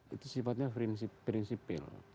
itu sifatnya prinsipil